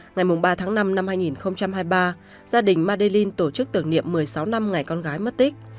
ngày ba tháng năm năm hai nghìn hai mươi ba gia đình madelin tổ chức tưởng niệm một mươi sáu năm ngày con gái mất tích